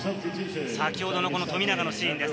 先ほどの富永のシーンです。